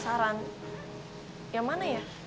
saran yang mana ya